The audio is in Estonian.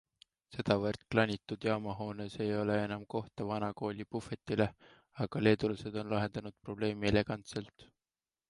Sedavõrd klanitud jaamahoones ei ole enam kohta vana kooli puhvetile, aga leedulased on lahendanud probleemi elegantselt.